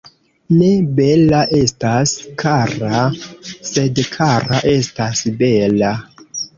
Ne bela estas kara, sed kara estas bela.